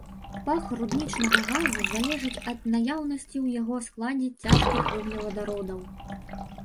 Пах руднічнага газу залежыць ад наяўнасці ў яго складзе цяжкіх вуглевадародаў.